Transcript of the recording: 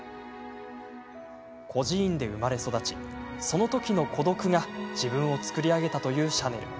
孤児院で生まれ育ちそのときの孤独が自分を作り上げたというシャネル。